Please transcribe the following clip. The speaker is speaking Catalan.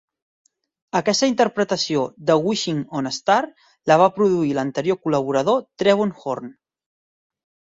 Aquesta interpretació de "Wishing on a Star" la va produir l'anterior col·laborador Trevor Horn.